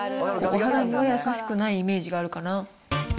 お肌には優しくないイメージがあるかな。